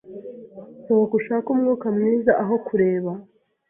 Sohoka ushake umwuka mwiza aho kureba